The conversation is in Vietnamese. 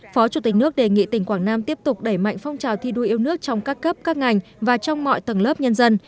phó chủ tịch nước đề nghị tỉnh quảng nam tiếp tục đẩy mạnh phong trào thi đua yêu nước trong các cấp các ngành và trong mọi tầng lớp nhân dân